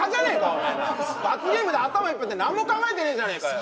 お前な罰ゲームで頭いっぱいで何も考えてねえじゃねえかよ